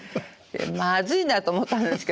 まずいなと思ったんですけど。